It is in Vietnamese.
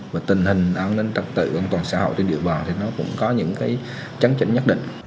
và tình hình an ninh trạng tự an toàn xã hội trên địa bàn thì nó cũng có những cái trắng chấn nhất định